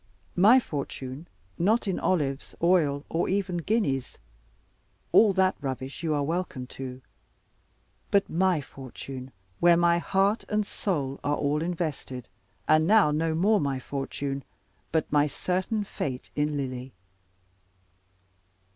My fortune, not in olives, oil, or even guineas all that rubbish you are welcome to but my fortune where my heart and soul are all invested, and now, no more my fortune, but my certain fate in Lily.